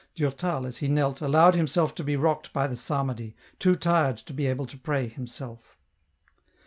Durtal, as he knelt, allowed himself to be rocked by the psalmody, too tired to be able to pray himself.